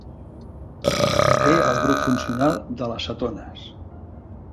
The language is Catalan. Que té el grup funcional de les cetones.